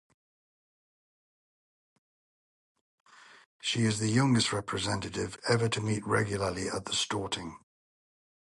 She is the youngest representative ever to meet regularly at the Storting.